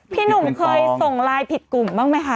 พี่หนุ่มเคยส่งไลน์ผิดกลุ่มบ้างไหมคะ